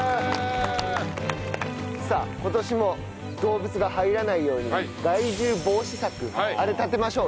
さあ今年も動物が入らないように害獣防止柵あれ立てましょうよ。